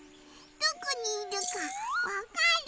どこにいるかわかる？